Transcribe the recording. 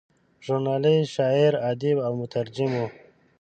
ژورنالیسټ، شاعر، ادیب او مترجم و.